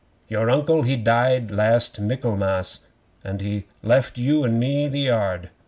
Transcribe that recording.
"Your Uncle he died last Michaelmas and he've left you and me the yard.